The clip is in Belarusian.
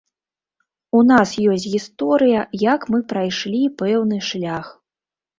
У нас ёсць гісторыя, як мы прайшлі пэўны шлях.